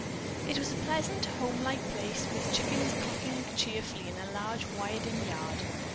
It was a pleasant, home like place, with chickens clucking cheerfully in a large, wired in yard.